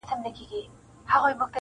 د حیا په حجاب پټي چا دي مخ لیدلی نه دی-